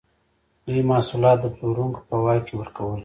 دوی محصولات د پلورونکو په واک کې ورکول.